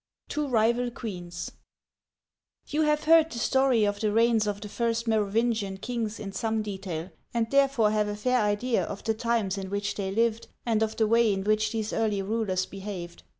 TWO RIVAL QUEENS YOU have heard the story of the reigns of the first Merovingian kings in some detail, and therefore have a fair idea of the times in which they lived, and of the way in which these early rulers behaved.